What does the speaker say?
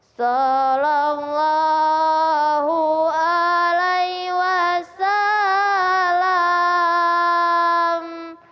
salam allah alaihi wasalam